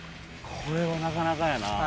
これはなかなかやな。